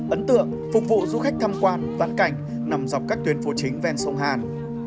ấn tượng phục vụ du khách tham quan văn cảnh nằm dọc các tuyến phố chính ven sông hàn